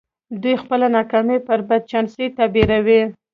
دوی خپله ناکامي پر بد چانسۍ تعبيروي.